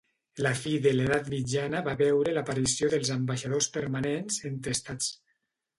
La fi de l'edat mitjana va veure l'aparició dels ambaixadors permanents entre estats.